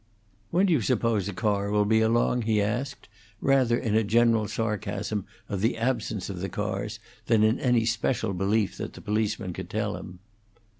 "When do you suppose a car will be along?" he asked, rather in a general sarcasm of the absence of the cars than in any special belief that the policeman could tell him.